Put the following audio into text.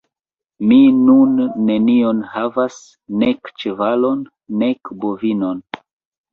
Mi nun nenion havas, nek ĉevalon, nek bovinon.